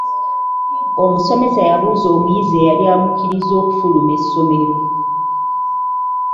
Omusomesa yabuuza omuyizi eyali amukkirizza okufuluma essomero.